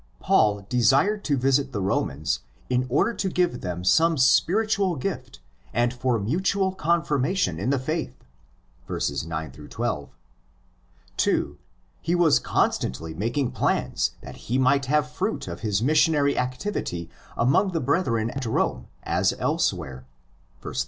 1. ITS COMPOSITION 111 Paul desired to visit the Romans in order to give them some spiritual gift and for mutual confirmation in the faith (verses 9 12). (2) He was constantly making plans that he might have fruit of his missionary activity among the brethren at Rome as elsewhere (verse 13).